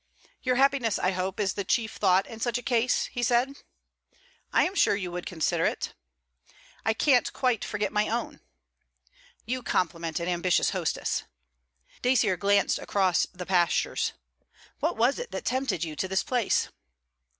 'Your happiness, I hope, is the chief thought in such a case,' he said. 'I am sure you would consider it.' 'I can't quite forget my own.' 'You compliment an ambitious hostess.' Dacier glanced across the pastures, 'What was it that tempted you to this place?'